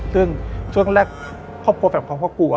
ซึ่งช่วงแรกพวกเขากลัว